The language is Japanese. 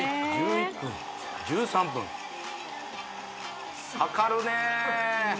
１１分１３分かかるねえ